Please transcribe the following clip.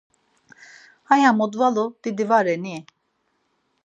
Aya modvalu didi va ren i?